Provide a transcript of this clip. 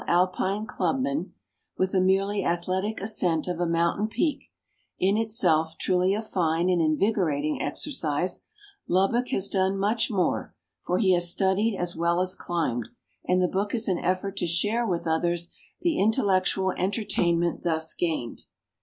■Mpine clubman, with a merely athletic ascent of a moun tain peak, in itself truly a fine and invigorating exercise, Lubbock has done much more, for he has studied as well as climbed, and the book is an effort to share with others the intellectual entertainment thus gained.